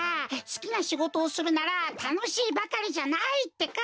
すきなしごとをするならたのしいばかりじゃないってか。